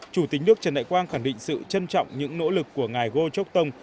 chủ tịch nước trần đại quang khẳng định sự trân trọng những nỗ lực của ngài goh chok tong